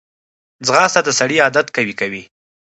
ځغاسته د سړي عادت قوي کوي